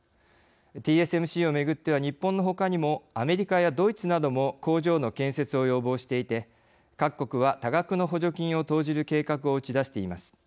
ＴＳＭＣをめぐっては日本のほかにもアメリカやドイツなども工場の建設を要望していて各国は多額の補助金を投じる計画を打ち出しています。